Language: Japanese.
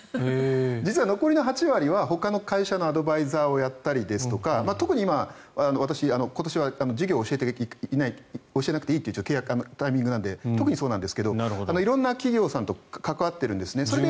実は残りの８割ぐらいはほかの会社のアドバイザーをやったりですとか特に今、私、今年は授業を教えなくていいという契約、タイミングなので特にそうなんですが色んな企業さんと関わっているんですね。